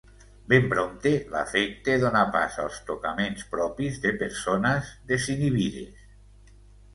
Ben prompte l’afecte donà pas als tocaments propis de persones desinhibides.